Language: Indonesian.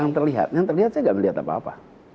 yang terlihat yang terlihat saya tidak melihat apa apa